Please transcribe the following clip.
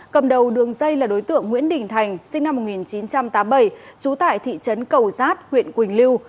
cầm đầu đường dây là đối tượng nguyễn đình thành sinh năm một nghìn chín trăm tám mươi bảy trú tại thị trấn cầu giát huyện quỳnh lưu